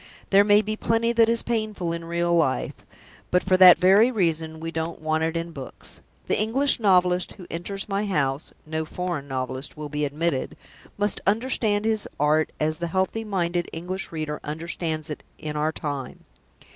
There may be plenty that is painful in real life; but for that very reason, we don't want it in books. The English novelist who enters my house (no foreign novelist will be admitted) must understand his art as the healthy minded English reader understands it in our time.